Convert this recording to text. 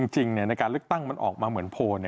จริงในการเลือกตั้งมันออกมาเหมือนโพล